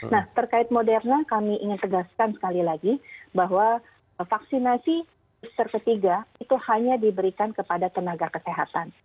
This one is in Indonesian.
nah terkait moderna kami ingin tegaskan sekali lagi bahwa vaksinasi booster ketiga itu hanya diberikan kepada tenaga kesehatan